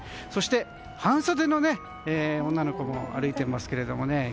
そして半袖の女の子も歩いていますけれどもね